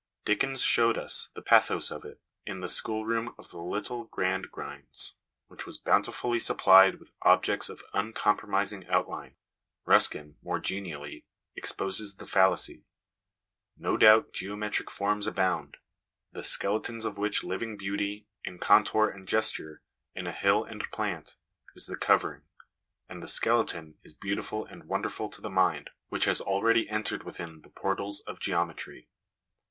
Dickens showed us the pathos of it in the schoolroom of the little Gradgrinds, which was bountifully supplied with objects of uncompromising outline. Ruskin, more genially, exposes the fallacy. No doubt geometric forms abound, the skeletons of which living beauty, in contour and gesture, in hill and plant, is the cover ing; and the skeleton is beautiful and wonderful to the mind which has already entered within the portals of geometry.